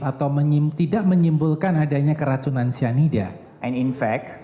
atau tidak menyimpulkan adanya keracunan cyanida infek